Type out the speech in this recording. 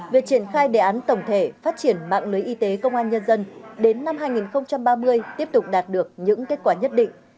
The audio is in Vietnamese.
việc triển khai đề án tổng thể phát triển mạng lưới y tế công an nhân dân đến năm hai nghìn ba mươi tiếp tục đạt được những kết quả nhất định